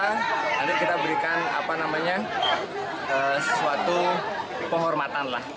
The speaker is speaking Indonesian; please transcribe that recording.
nanti kita berikan sesuatu penghormatan lah